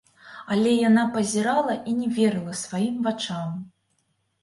Але яна пазірала і не верыла сваім вачам.